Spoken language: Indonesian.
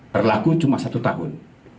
berlaku cuma satu tahun